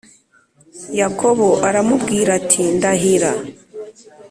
Yakobo aramubwira ati Ndahira.